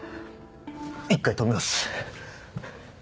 一回止めます。